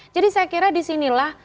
jadi saya kira di sinilah